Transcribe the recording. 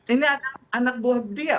ini anak buah dia